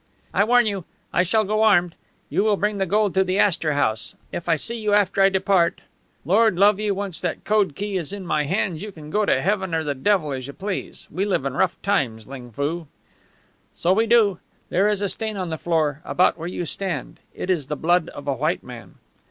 "I warn you, I shall go armed. You will bring the gold to the Astor House. If I see you after I depart " "Lord love you, once that code key is in my hands you can go to heaven or the devil, as you please! We live in rough times, Ling Foo." "So we do. There is a stain on the floor, about where you stand. It is the blood of a white man."